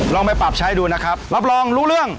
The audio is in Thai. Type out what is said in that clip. ลองไปปรับใช้ดูนะครับรับรองรู้เรื่อง